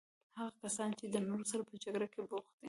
هغه کسان چې د نورو سره په جګړه بوخت دي.